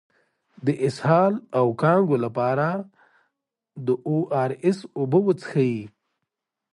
د اسهال او کانګو لپاره د او ار اس اوبه وڅښئ